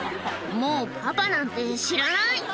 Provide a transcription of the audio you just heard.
「もうパパなんて知らない！」